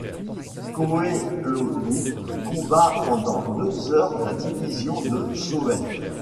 Coëtlogon combat pendant deux heures la division de Shovell.